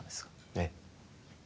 ええ